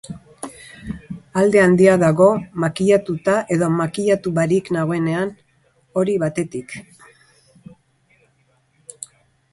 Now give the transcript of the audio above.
Alde handia dago makillatuta edo makillatu barik nagoenean, hori batetik.